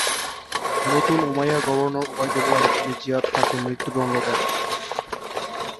নতুন Umayyad governor Ubaidullah ibn Ziyad তাকে মৃত্যুদন্ড দেন।